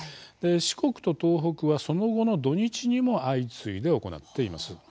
四国と東北は、その後の土日にも相次いで行っています。